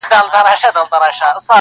پر اوږو یې ټکاوه ورته ګویا سو!.